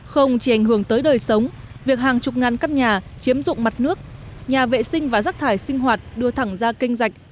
không chỉ ảnh hưởng tới đời sống việc hàng chục ngàn căn nhà chiếm dụng mặt nước nhà vệ sinh và rắc thải sinh hoạt đưa thẳng ra kênh dạch